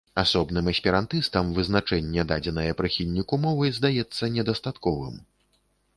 Асобным эсперантыстам вызначэнне дадзенае прыхільніку мовы здаецца недастатковым.